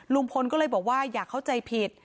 ลุงพลก็เลยบอกว่าอย่าเข้าใจผิด